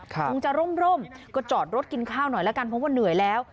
คงจะร่มก็จอดรถกินข้าวหน่อยแล้วกันเพราะว่าเหนื่อยแล้ว